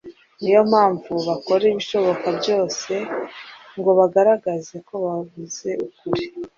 niyo mpamvu bakora ibishoboka byose ngo bagaragaze ko bavuze ukuri